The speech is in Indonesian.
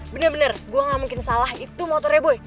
bener bener gue gak mungkin salah itu motornya boy